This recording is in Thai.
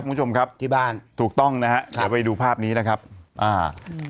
คุณผู้ชมครับที่บ้านถูกต้องนะฮะเดี๋ยวไปดูภาพนี้นะครับอ่า